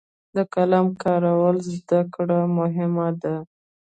د قلم کارولو زده کړه مهمه ده.